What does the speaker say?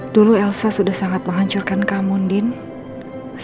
dulu elsa sudah sangat menghancurkan kamu ndina